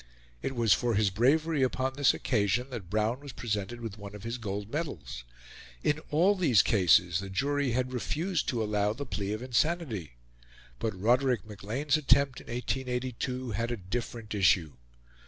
It was for his bravery upon this occasion that Brown was presented with one of his gold medals. In all these cases the jury had refused to allow the plea of insanity; but Roderick Maclean's attempt in 1882 had a different issue.